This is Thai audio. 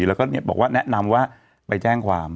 แล้วก็บอกว่าแนะนำว่าไปแจ้งความ